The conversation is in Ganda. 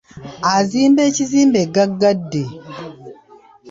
Azimba ekizimbe gaggadde.